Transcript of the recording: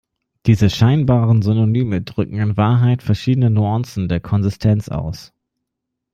Diese scheinbaren Synonyme drücken in Wahrheit verschiedene Nuancen der Konsistenz aus.